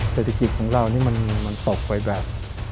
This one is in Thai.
เศรษฐกิจของเรานี่มันตกไปแบบ